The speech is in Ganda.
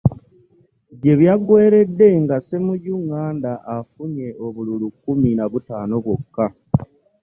Gye byaggweeredde nga Ssemujju ŋŋanda afunye obululu kkumi na butaano bwokka